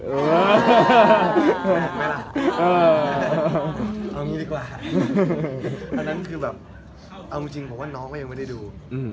เอาจริงผมว่าน้องก็ยังไม่ได้ดู